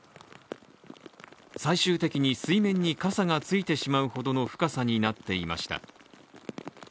最終的に水面に傘がついてしまうほどの深さになっていました。